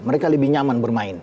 mereka lebih nyaman bermain